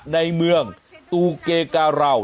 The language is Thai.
ในเมืองตูเกกาเห่า